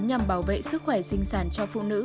nhằm bảo vệ sức khỏe sinh sản cho phụ nữ